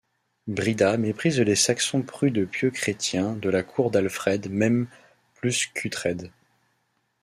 Brida méprise les Saxons prudes pieux chrétiens de la cour d'Alfred même plus qu'Uhtred.